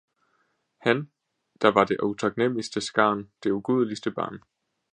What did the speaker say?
han, der var det utaknemmeligste skarn, det ugudeligste barn.